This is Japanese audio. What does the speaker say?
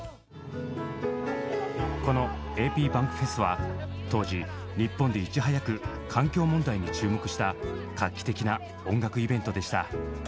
このａｐｂａｎｋｆｅｓは当時日本でいち早く環境問題に注目した画期的な音楽イベントでした。